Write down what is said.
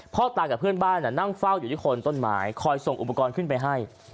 พ่อตากับเพื่อนบ้านนั่งเฝ้าอยู่ที่คนต้นไม้คอยส่งอุปกรณ์ขึ้นไปให้